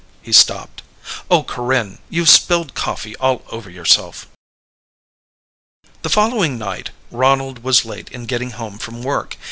He stopped. "Oh, Corinne! You've spilled coffee all over yourself." The following night Ronald was late in getting home from work.